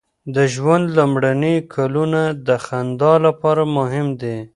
د ژوند لومړني کلونه د خندا لپاره مهم دي.